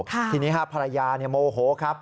ทีนี้ภรรยาโมโหครับ